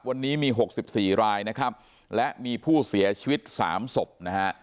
วันนี้มี๖๔รายนะครับและมีผู้เสียชีวิต๓ศพนะฮะ